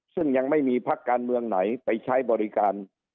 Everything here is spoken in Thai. ซึ่งยังไม่มีพักการเมืองไหนไปใช้บริการ